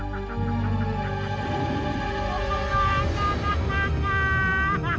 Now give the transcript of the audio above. mukul membawa anak anak